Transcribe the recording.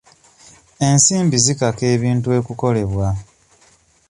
Ensimbi zikaka ebintu okukolebwa.